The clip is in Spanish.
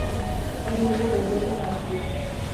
Es miembro del Centro Hastings.